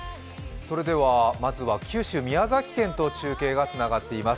まずは九州・宮崎県と中継がつながっています。